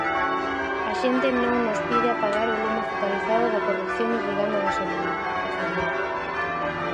A xente non nos pide apagar o lume focalizado da corrupción irrigando gasolina, afirmou.